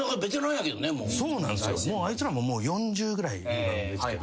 あいつらも４０ぐらいなんですけど。